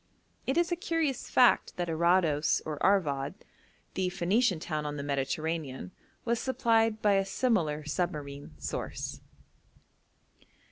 It is a curious fact that Arados or Arvad, the Phoenician town on the Mediterranean, was supplied by a similar submarine source.